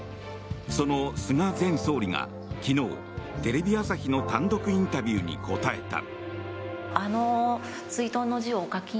その菅前総理が昨日、テレビ朝日の単独インタビューに答えた。